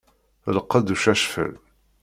D lqedd ucacfel.